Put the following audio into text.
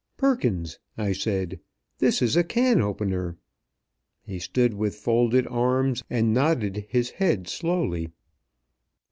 "Perkins," I said, "this is a can opener." He stood with folded arms, and nodded his head slowly.